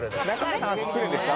来るんですか？